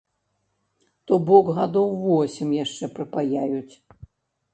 То бок гадоў восем яшчэ прыпаяюць.